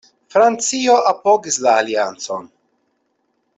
Francio apogis la aliancon.